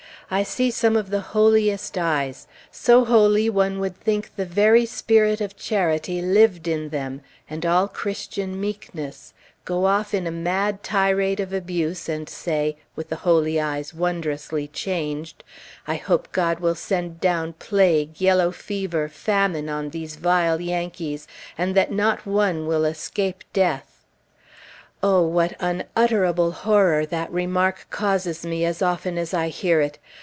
I see some of the holiest eyes, so holy one would think the very spirit of charity lived in them, and all Christian meekness, go off in a mad tirade of abuse and say, with the holy eyes wondrously changed, "I hope God will send down plague, yellow fever, famine, on these vile Yankees, and that not one will escape death." O, what unutterable horror that remark causes me as often as I hear it!